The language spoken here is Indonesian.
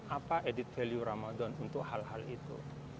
apa added value ramadan untuk hal hal itu